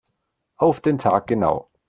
Auf den Tag genau.